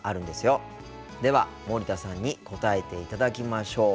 では森田さんに答えていただきましょう。